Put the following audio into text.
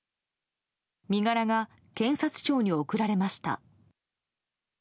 身柄が検察庁に送られました。